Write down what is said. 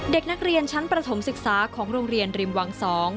เด็กนักเรียนชั้นประถมศึกษาของโรงเรียนริมวัง๒